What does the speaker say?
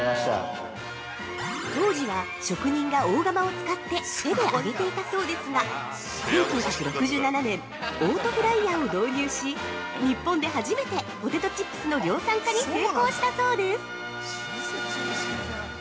◆当時は、職人が大釜を使って手で揚げていたそうですが、１９６７年、オートフライヤーを導入し、日本で初めてポテトチップスの量産化に成功したそうです！